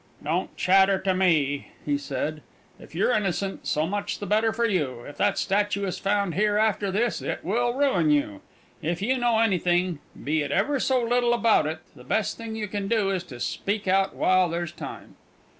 "Don't chatter to me," he said. "If you're innocent, so much the better for you; if that statue is found here after this, it will ruin you. If you know anything, be it ever so little, about it, the best thing you can do is to speak out while there's time."